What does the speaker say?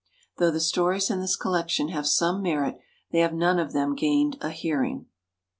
Though the stories in this collection have some merit, they have none of them gained a hearing.